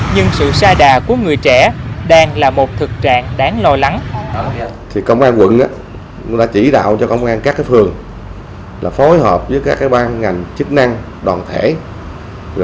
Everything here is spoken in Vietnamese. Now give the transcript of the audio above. nhưng sự xa đà của người trẻ đang là một thực trạng đáng lo lắng